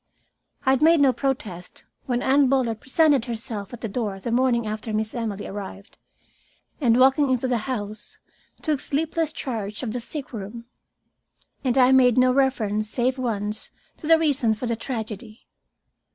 I had made no protest when Anne Bullard presented herself at the door the morning after Miss Emily arrived, and, walking into the house, took sleepless charge of the sickroom. And I made no reference save once to the reason for the tragedy.